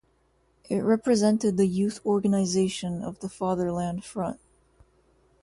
It represented the youth organization of the Fatherland Front.